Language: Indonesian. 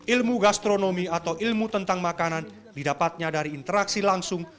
ilmu gastronomi atau ilmu tentang makanan didapatnya dari interaksi langsung